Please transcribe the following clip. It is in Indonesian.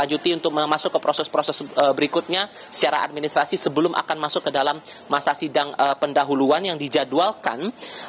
lanjuti untuk masuk ke proses proses berikutnya secara administrasi sebelum akan masuk ke dalam masa sidang pendahuluan yang dijadwalkan